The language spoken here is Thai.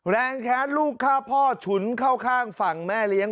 แค้นลูกฆ่าพ่อฉุนเข้าข้างฝั่งแม่เลี้ยง